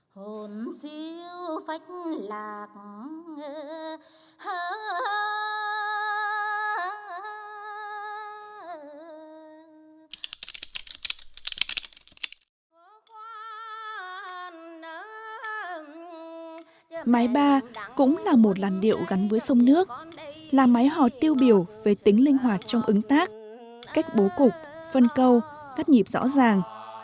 hò mái ba cũng là một làn điệu gắn với sông nước là mái hò tiêu biểu về tính linh hoạt trong ứng tác cách bố cục phân câu cắt nhịp rõ ràng